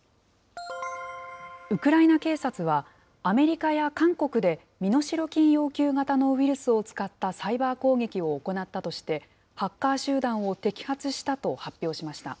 ウクライナ警察は、アメリカや韓国で身代金要求型のウイルスを使ったサイバー攻撃を行ったとして、ハッカー集団を摘発したと発表しました。